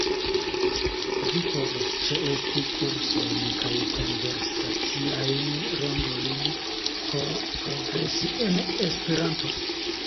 Vi povos ĉeesti kursojn kaj konversaciajn rondojn por progresi en Esperanto.